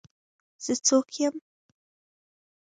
زه څوک یم.